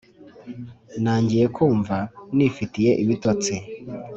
Nangiye kumva nifitiye ibitotsi